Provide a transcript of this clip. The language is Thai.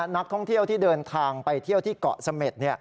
นักท่องเที่ยวที่เดินทางไปเที่ยวที่เกาะเสม็ด